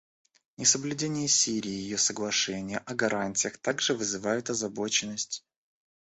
Несоблюдение Сирией ее соглашения о гарантиях также вызывает озабоченность.